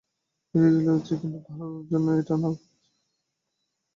বিষয়টি ছিল ঐচ্ছিক, কিন্তু ভালো ফলের জন্য এটা ছিল খুবই গুরুত্বপূর্ণ।